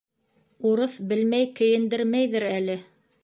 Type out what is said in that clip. Урыҫ белмәй кейендермәйҙер әле.